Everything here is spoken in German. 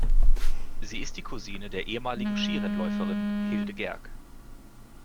Sie ist die Cousine der ehemaligen Skirennläuferin Hilde Gerg.